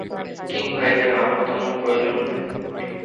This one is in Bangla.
কিংবা এদের আলোর তেমন প্রয়োজন নেই।